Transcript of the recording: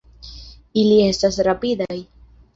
Ili estas rapidaj.